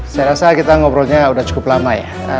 saya rasa kita ngobrolnya sudah cukup lama ya